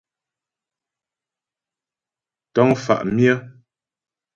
Ntə́ŋ mfá' myə́.